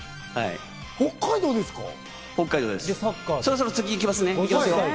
北海道ですか？